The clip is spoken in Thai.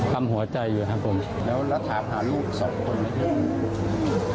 ปั๊มหัวใจอยู่ครับผมแล้วแล้วถามหาลูกสองคน